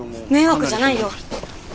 迷惑じゃないよ。